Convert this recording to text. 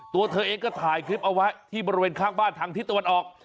ตัวเธอเองก็ถ่ายคลิปเอาไว้ที่บริเวณข้างบ้านทางทิศตะวันออก